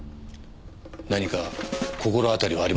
何か心当たりはありませんか？